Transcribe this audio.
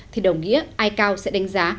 thì đồng nghĩa icao sẽ đánh giá